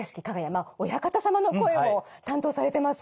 まあお館様の声も担当されてますよね。